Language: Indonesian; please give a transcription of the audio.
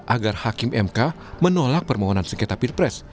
agar hakim mk menolak permohonan sengketa pilpres